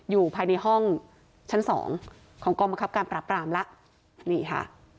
อยู่ภายในห้องชั้นสองของกองบังคับการปราบรามแล้วนี่ค่ะ